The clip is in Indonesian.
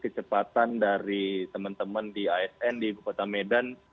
kecepatan dari teman teman di asn di ibu kota medan